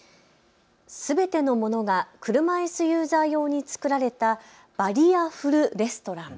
すべてのものが車いすユーザー用に作られたバリアフルレストラン。